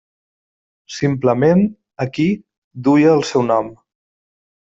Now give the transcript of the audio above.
Simplement, aquí, duia el seu nom.